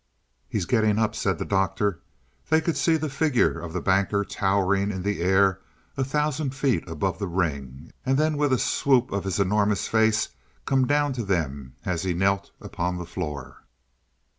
"He's getting up," said the Doctor. They could see the figure of the Banker towering in the air a thousand feet above the ring, and then with a swoop of his enormous face come down to them as he knelt upon the floor.